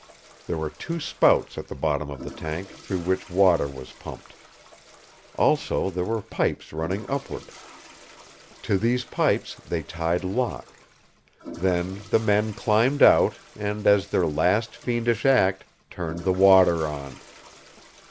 There were two spouts at the bottom of the tank through which water was pumped. Also there were pipes running upward. To these pipes they tied Locke. Then the men climbed out and, as their last fiendish act, turned the water on.